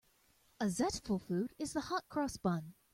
A zestful food is the hot-cross bun.